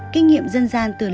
kinh nghiệm dân gian tưởng tượng